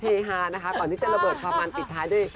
ฮานะคะก่อนที่จะระเบิดความมันปิดท้ายด้วย